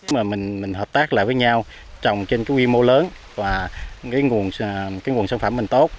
nếu mà mình hợp tác lại với nhau trồng trên quy mô lớn và nguồn sản phẩm tốt